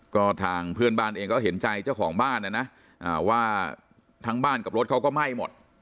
ก็ทางเพื่อนบ้านเองก็เห็นใจเจ้าของบ้านนะนะว่าทั้งบ้านกับรถเขาก็ไหม้หมด